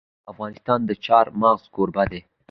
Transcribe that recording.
افغانستان د چار مغز کوربه دی.